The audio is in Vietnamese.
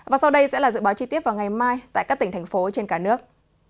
và sau đây sẽ là dự báo chi tiết vào ngày mai tại các tỉnh thành phố trên cả nước